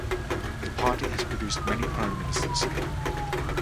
The party has produced many Prime Ministers.